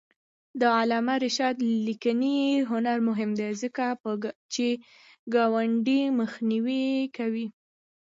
د علامه رشاد لیکنی هنر مهم دی ځکه چې ګډوډي مخنیوی کوي.